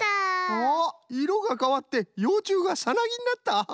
あっいろがかわってようちゅうがサナギになった。